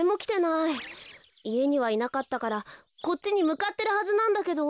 いえにはいなかったからこっちにむかってるはずなんだけど。